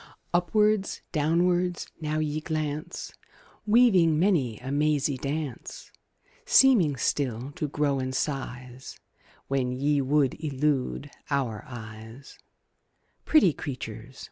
Upwards, downwards, now ye glance, Weaving many a mazy dance; Seeming still to grow in size When ye would elude our eyes Pretty creatures!